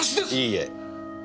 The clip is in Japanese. いいえ。